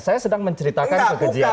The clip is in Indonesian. saya sedang menceritakan kekejian